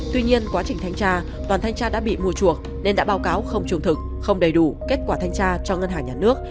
tuy nhiên quá trình thanh tra đoàn thanh tra đã bị mua chuộc nên đã báo cáo không trung thực không đầy đủ kết quả thanh tra cho ngân hàng nhà nước